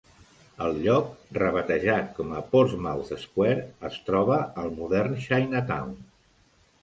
El lloc, rebatejat com a Portsmouth Square, es troba al modern Chinatown.